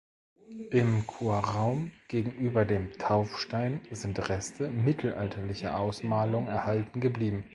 Im Chorraum gegenüber dem Taufstein sind Reste mittelalterlicher Ausmalung erhalten geblieben.